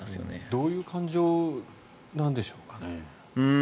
どういう感情なんでしょうかね。